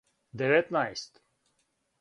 деветнаест